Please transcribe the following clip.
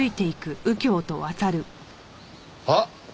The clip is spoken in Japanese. あっ！